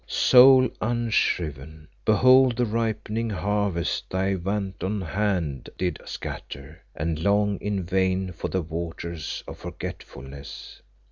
soul unshriven, behold the ripening harvest thy wanton hand did scatter, and long in vain for the waters of forgetfulness.